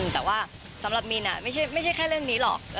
แต่ว่าสำหรับมินไม่ใช่แค่เรื่องนี้หรอก